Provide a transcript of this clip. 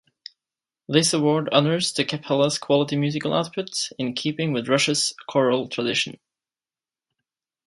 This award honours the Capella’s quality musical output in keeping with Russia’s choral tradition.